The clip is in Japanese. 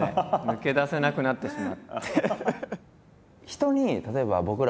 抜け出せなくなってしまって。